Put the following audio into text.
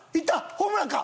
ホームランか？